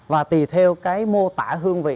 và tùy theo mô tả hương vị